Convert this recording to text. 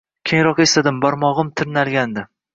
Keyinroq esladim, barmog`im tirnalgandi